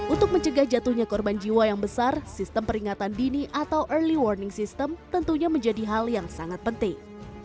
untuk mencegah jatuhnya korban jiwa yang besar sistem peringatan dini atau early warning system tentunya menjadi hal yang sangat penting